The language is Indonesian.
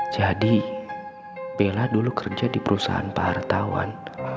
jadi bella dulu kerja di perusahaan pahartawan